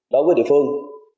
đối với địa phương